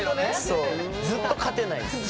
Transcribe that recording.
ずっと勝てない。